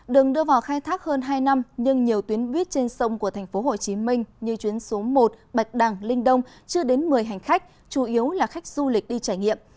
đường đưa vào khai thác hơn hai năm nhưng nhiều tuyến buýt trên sông của tp hcm như chuyến số một bạch đằng linh đông chưa đến một mươi hành khách chủ yếu là khách du lịch đi trải nghiệm